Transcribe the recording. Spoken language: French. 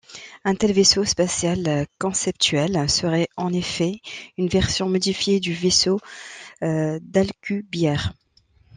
Un tel vaisseau spatial conceptuel serait en fait une version modifiée du vaisseau d'Alcubierre.